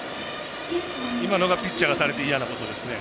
今のがピッチャーがされて嫌なことですね。